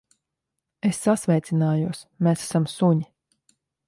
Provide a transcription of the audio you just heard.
Es sasveicinājos. Mēs esam suņi.